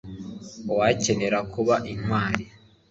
uwakenera kuba intwari